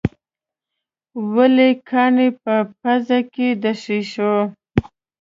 ولې کاڼي په پزه کې د شېشو.